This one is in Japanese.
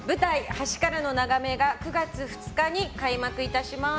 「橋からの眺め」が９月２日に開幕いたします。